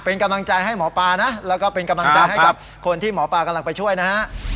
เป็นกำลังใจให้หมอปลานะแล้วก็เป็นกำลังใจให้กับคนที่หมอปลากำลังไปช่วยนะฮะ